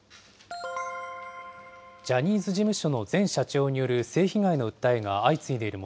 ジャニーズ事務所の前社長による性被害の訴えが相次いでいる